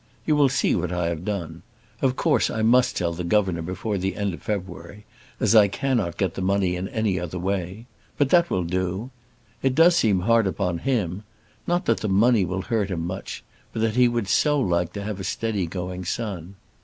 You will see what I have done. Of course I must tell the governor before the end of February, as I cannot get the money in any other way. But that I will do. It does seem hard upon him. Not that the money will hurt him much; but that he would so like to have a steady going son.